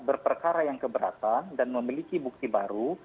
berperkara yang keberatan dan memiliki bukti baru